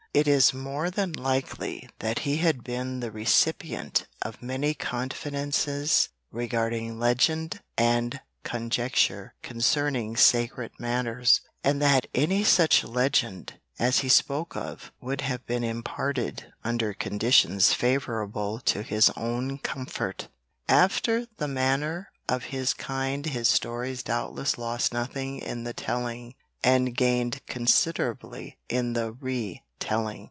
It is more than likely that he had been the recipient of many confidences regarding legend and conjecture concerning sacred matters, and that any such legend as he spoke of would have been imparted under conditions favourable to his own comfort. After the manner of his kind his stories doubtless lost nothing in the telling and gained considerably in the re telling.